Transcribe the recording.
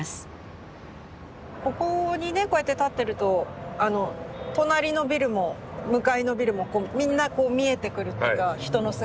ここにねこうやって立ってると隣のビルも向かいのビルもみんな見えてくるというか人の姿が。